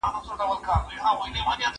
هغه وويل چي خواړه ورکول مهم دي،